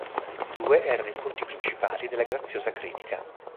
Due erano i punti principali della graziosa Critica.